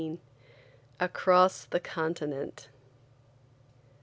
ACROSS THE CONTINENT.